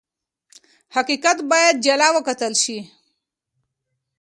حقیقت باید جلا وکتل شي.